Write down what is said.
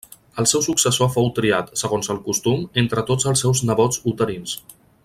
El seu successor fou triat, segons el costum, entre tots els seus nebots uterins.